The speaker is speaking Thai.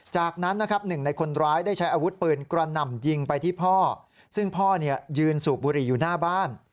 จากนั้นนะครับหนึ่งในคนร้ายได้ใช้อาวุธปืนกระหน่ำยิงไปที่พ่อซึ่งพ่อเนี่ยยืนสูบบุหรี่อยู่หน้าบ้าน